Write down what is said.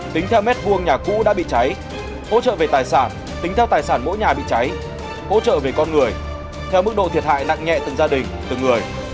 tính theo mét vuông nhà cũ đã bị cháy hỗ trợ về tài sản tính theo tài sản mỗi nhà bị cháy hỗ trợ về con người theo mức độ thiệt hại nặng nhẹ từng gia đình từng người